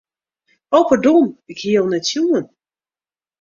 O pardon, ik hie jo net sjoen.